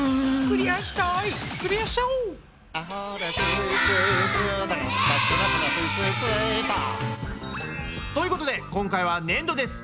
クリアしちゃおう！ということで今回はねんどです！